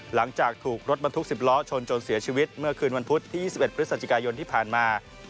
หลังจากถูกรถบรรทุก๑๐ล้อชนจนเสียชีวิตเมื่อคืนวันพุธที่๒๑พฤศจิกายนที่ผ่านมา